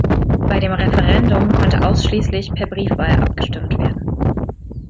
Bei dem Referendum konnte ausschließlich per Briefwahl angestimmt werden.